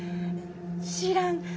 知らん。